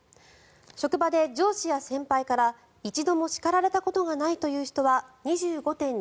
職場で上司や先輩から一度も叱られたことがないという人は２５．２％。